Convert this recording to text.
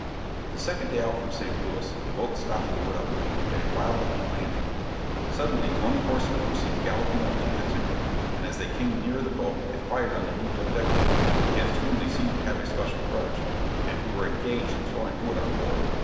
The second day out from St. Louis, the boat stopped to wood up, at a wild looking landing. Suddenly twenty horsemen were seen galloping up through the timber, and as they came nearer the boat they fired on the negro deckhands, against whom they seemed to have a special grudge, and who were engaged in throwing wood on board.